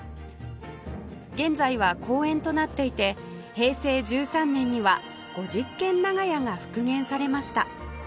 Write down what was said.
現在は公園となっていて平成１３年には五十間長屋が復元されました